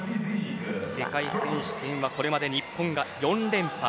世界選手権はこれまで日本が４連覇。